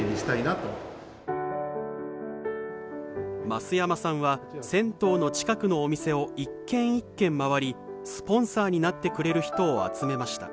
増山さんは銭湯の近くのお店を一軒一軒回りスポンサーになってくれる人を集めました。